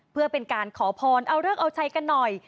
เพื่อเป็นการขอพรเอาเลิกเอาชัยกันหน่อย